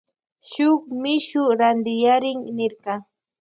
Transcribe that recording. Shuk mishu rantiyarin nirka.